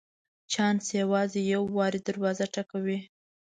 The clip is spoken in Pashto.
چانس یوازي یو وار دروازه ټکوي .